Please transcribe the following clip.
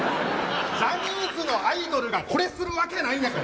ジャニーズのアイドルがこれするわけないんやから。